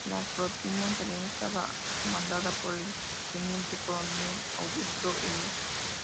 La flotilla italiana estaba comandada por el teniente coronel Augusto Elia.